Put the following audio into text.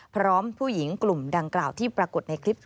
พร้อมผู้หญิงกลุ่มดังกล่าวที่ปรากฏในคลิป